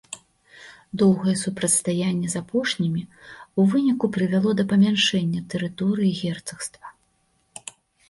Доўгае супрацьстаянне з апошнімі ў выніку прывяло да памяншэння тэрыторыі герцагства.